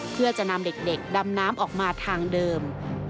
เพื่อจะนำเด็กดำน้ำออกมาทางเดิม